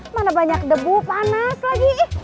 mana banyak debu panas lagi